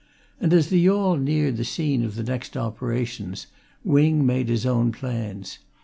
And as the yawl neared the scene of the next operations, Wing made his own plans.